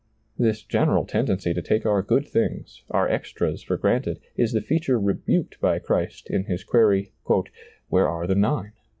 This general tendency to take our good things, our extras, for granted, is the fea ture rebuked by Christ in His query, "Where are the nine